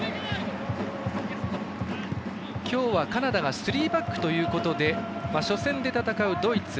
今日はカナダはスリーバックということで初戦で戦うドイツ